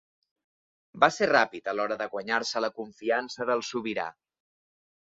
Va ser ràpid a l'hora de guanyar-se la confiança del sobirà.